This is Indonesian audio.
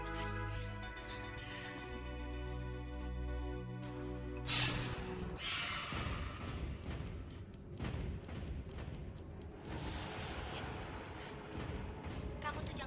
kakak harus percaya sama husin